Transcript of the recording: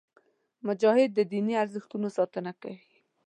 مجاهد د دیني ارزښتونو ساتنه کوي.